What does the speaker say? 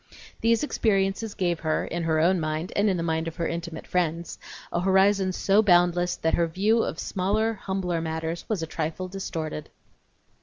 These experiences gave her, in her own mind, and in the mind of her intimate friends, a horizon so boundless that her view of smaller, humbler matters was a trifle distorted.